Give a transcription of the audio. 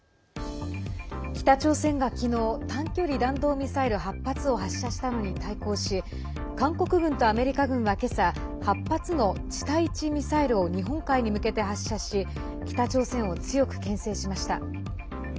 北朝鮮が、きのう短距離弾道ミサイル８発を発射したのに対抗し韓国軍とアメリカ軍は、けさ８発の地対地ミサイルを日本海に向けて発射し北朝鮮を強くけん制しました。